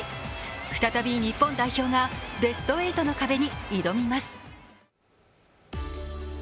再び日本代表がベスト８の壁に挑みます。